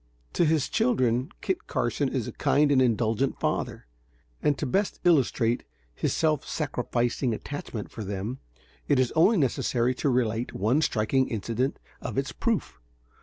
To his children Kit Carson is a kind and indulgent father, and to best illustrate his self sacrificing attachment for them, it is only necessary to relate one striking incident of its proof.